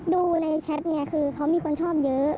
ดูในแชทเนี่ยคือเขามีคนชอบเยอะ